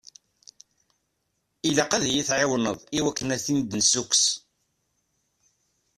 Ilaq ad yi-tɛawneḍ i wakken ad ten-id-nessukkes.